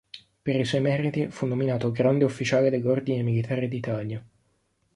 Per i suoi meriti fu nominato Grande Ufficiale dell'Ordine Militare d'Italia.